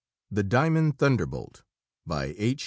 The Diamond Thunderbolt _By H.